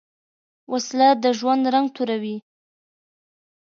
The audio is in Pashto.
وسله د ژوند رنګ توروې